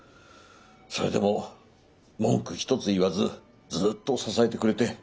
それでも文句一つ言わずずっと支えてくれて。